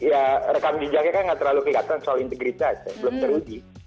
ya rekan bijaknya kan nggak terlalu kelihatan soal integritas belum teruji